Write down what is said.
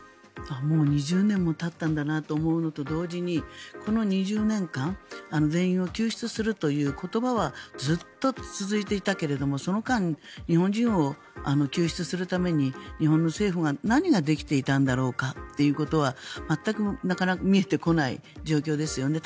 もう２０年もたったんだなと思うのと同時にこの２０年間全員を救出するという言葉はずっと続いていたけれどもその間、日本人を救出するために日本の政府が何ができていたんだろうかということは全く見えてこない状況ですよね。